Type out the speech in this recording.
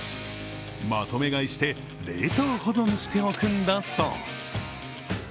まとめ買いして、冷凍保存しておくんだそう。